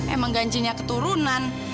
emang ganjinya keturunan